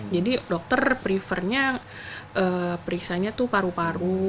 jadi dokter prefernya periksanya itu paru paru